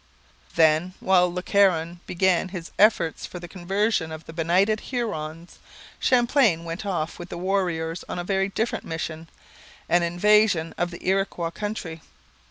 Then, while Le Caron began his efforts for the conversion of the benighted Hurons, Champlain went off with the warriors on a very different mission an invasion of the Iroquois country.